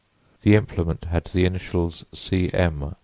The implement had the initials C. M.